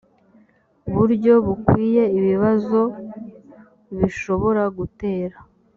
buryo bukwiye ibibazo bishobora gutera